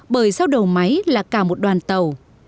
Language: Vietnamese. bởi sau đầu máy là cả một đoàn tàu